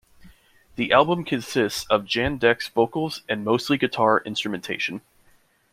The album consists of Jandek's vocals and mostly guitar instrumentation.